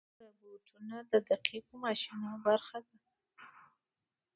روبوټونه د دقیقو ماشینونو برخه دي.